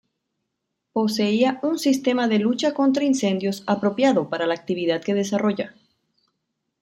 Poseía un sistema de lucha contra incendios apropiado para la actividad que desarrolla.